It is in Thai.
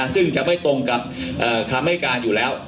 ซึ่งจะไม่ตรงกับคำให้การอยู่แล้ว